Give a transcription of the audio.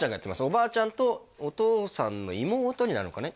おばあちゃんとお父さんの妹になるのかね？